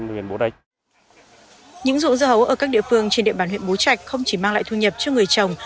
những vụ dưa hấu ở các địa phương trên địa bàn huyện bố trạch không chỉ mang lại thu nhập cho người trồng